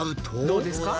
どうですか？